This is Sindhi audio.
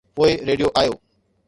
پوءِ ريڊيو آيو.